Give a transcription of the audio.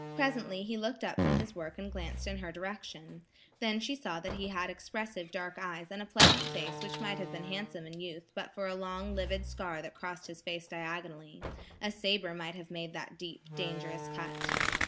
Presently he looked up from his work and glanced in her direction; then she saw that he had expressive dark eyes and a pleasant face which might have been handsome in youth, but for a long livid scar that crossed his face diagonally. A sabre might have made that deep, dangerous cut.